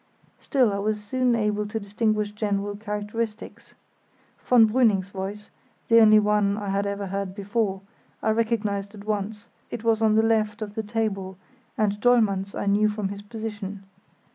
Still, I was soon able to distinguish general characteristics. Von Brüning's voice—the only one I had ever heard before—I recognised at once; he was on the left of the table, and Dollmann's I knew from his position.